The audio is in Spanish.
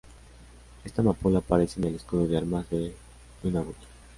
Esta amapola aparece en el escudo de armas de Nunavut.